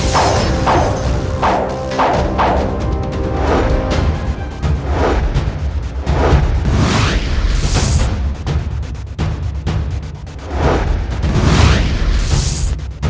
jangan jangan aku akan berhenti